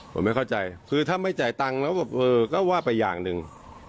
ผมไม่เข้าใจคือถ้าไม่จ่ายตังค์แล้วแบบเออก็ว่าไปอย่างหนึ่ง